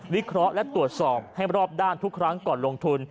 เคราะห์และตรวจสอบให้รอบด้านทุกครั้งก่อนลงทุน